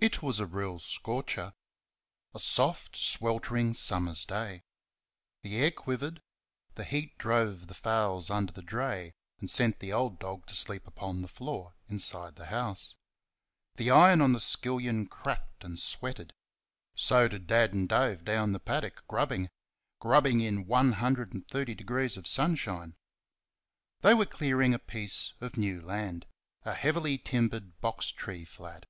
It was a real scorcher. A soft, sweltering summer's day. The air quivered; the heat drove the fowls under the dray and sent the old dog to sleep upon the floor inside the house. The iron on the skillion cracked and sweated so did Dad and Dave down the paddock, grubbing grubbing, in 130 degrees of sunshine. They were clearing a piece of new land a heavily timbered box tree flat.